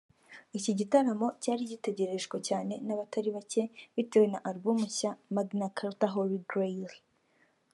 Iki gitaramo cyari gitegerejwe cyane n’abatari bake bitewe na Album nshya “Magna Carta Holy Grail